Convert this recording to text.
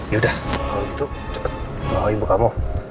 yaudah kalau gitu cepet bawa ibu kamu